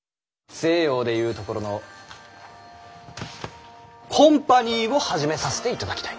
西洋でいうところの「コンパニー」を始めさせていただきたい。